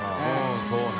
Δそうね。